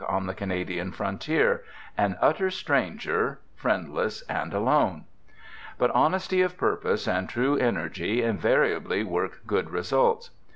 on the Canada frontier — an utter stranger, friendless and alone. But honesty of purpose and true energy invariably work good results.